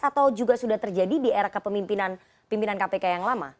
atau juga sudah terjadi di era kepemimpinan pimpinan kpk yang lama